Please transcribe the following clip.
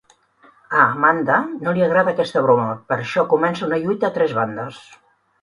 A Amanda no li agrada aquesta broma, per això comença una lluita a tres bandes.